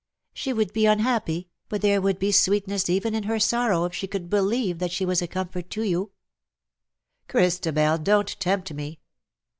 " She would be unhappy, but there would be sweetness even in her sorrow if she could believe that she was a comfort to you '/''" Christabel, don't tempt me